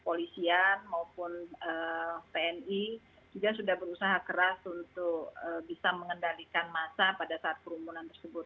polisian maupun tni juga sudah berusaha keras untuk bisa mengendalikan massa pada saat kerumunan tersebut